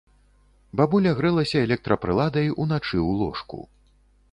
Бабуля грэлася электрапрыладай уначы ў ложку.